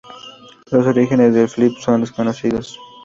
Los orígenes del "flip" son desconocidos.